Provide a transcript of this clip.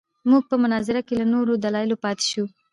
موږ په مناظره کې له نورو دلایلو پاتې شوو.